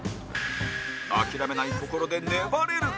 諦めない心で粘れるか？